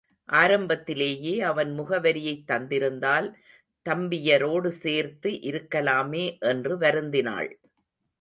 ஆரம்பத்திலேயே அவன் முகவரியைத் தந்திருந்தால் தம்பியரோடு சேர்த்து இருக்கலாமே என்று வருந்தினாள்.